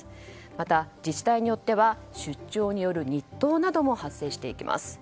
また、自治体によっては出張による日当なども発生していきます。